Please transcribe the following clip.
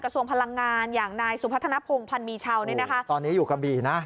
ตอนนี้อยู่กับบี่นะ